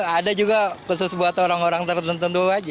ada juga khusus buat orang orang tertentu aja